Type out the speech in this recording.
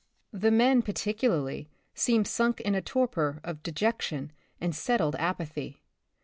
The men, particularly, seem sunk in a torpor of dejection and settled apa thy.